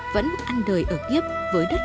vẫn muốn ăn đời ở tiếp với đất